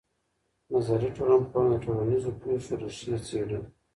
نظري ټولنپوهنه د ټولنیزو پېښو ریښې څېړي.